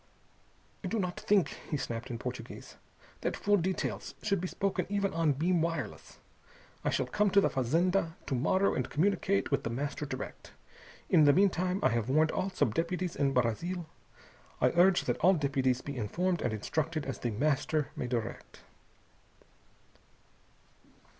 "I do not think," he snapped in Portuguese, "that full details should be spoken even on beam wireless. I shall come to the fazenda _to morrow and communicate with The Master direct. In the meantime I have warned all sub deputies in Brazil. I urge that all deputies be informed and instructed as The Master may direct.